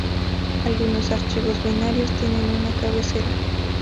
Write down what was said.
Algunos archivos binarios tienen una cabecera.